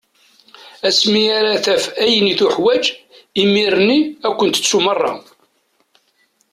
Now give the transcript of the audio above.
Asmi ara taf ayen i tuḥwaǧ, imir-nni ad ken-tettu meṛṛa.